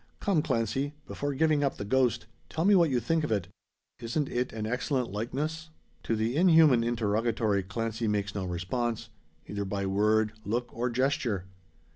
Come, Clancy! Before giving up the ghost, tell me what you think of it. Isn't it an excellent likeness?" To the inhuman interrogatory Clancy makes no response either by word, look, or gesture.